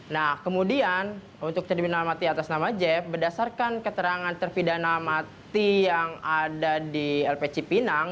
nah kemudian untuk terminal mati atas nama jeff berdasarkan keterangan terpidana mati yang ada di lp cipinang